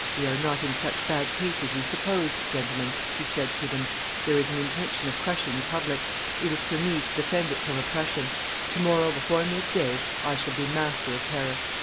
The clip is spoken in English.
"We are not in such bad case as you supposed, gentlemen," he said to them; "there is an intention of crushing the public; it is for me to defend it from oppression; to morrow before midday I shall be master of Paris."